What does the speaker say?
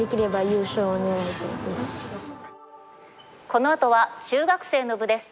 このあとは中学生の部です。